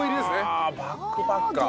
はあバックパッカー。